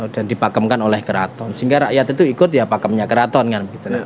dan dipakemkan oleh keraton sehingga rakyat itu ikut ya pakemnya keraton kan